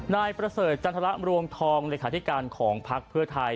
นายประเสริฐจันทรรวงทองเลขาธิการของพักเพื่อไทย